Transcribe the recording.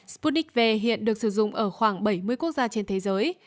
sputnik v hiện được sử dụng ở khoảng bảy mươi quốc gia trên thế giới